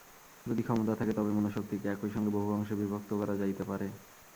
যদি ক্ষমতা থাকে, তবে মনঃশক্তিকে একই সঙ্গে বহু অংশে বিভক্ত করা যাইতে পারে।